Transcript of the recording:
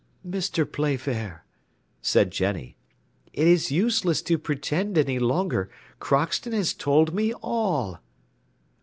"Mr. Playfair," said Jenny, "it is useless to pretend any longer; Crockston has told me all!"